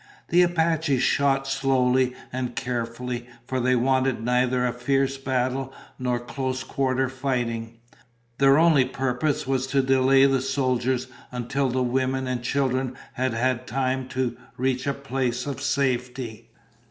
The Apaches shot slowly and carefully, for they wanted neither a fierce battle nor close quarter fighting. Their only purpose was to delay the soldiers until the women and children had had time to reach a place of safety.